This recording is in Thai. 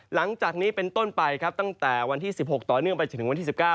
หลังจากนี้เป็นต้นไปครับตั้งแต่วันที่๑๖ต่อเนื่องไปจนถึงวันที่๑๙